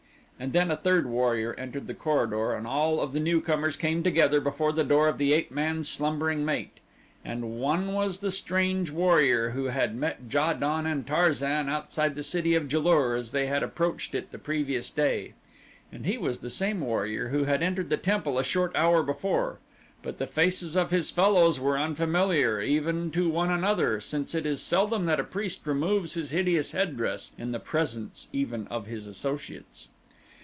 And then a third warrior entered the corridor and all of the newcomers came together before the door of the ape man's slumbering mate. And one was the strange warrior who had met Ja don and Tarzan outside the city of Ja lur as they had approached it the previous day; and he was the same warrior who had entered the temple a short hour before, but the faces of his fellows were unfamiliar, even to one another, since it is seldom that a priest removes his hideous headdress in the presence even of his associates.